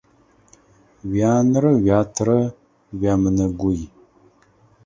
Уянэрэ уятэрэ уямынэгуй.